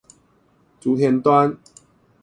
竹田端